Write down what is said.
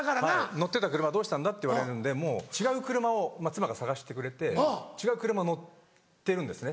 乗ってた車どうしたんだ？って言われるんで違う車を妻が探してくれて違う車乗ってるんですね